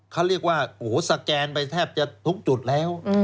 เขาเรียกว่าโอ้โหสแกนไปแทบจะทุกจุดแล้ว